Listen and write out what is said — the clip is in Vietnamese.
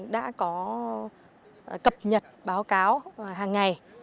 đã có cập nhật báo cáo hàng ngày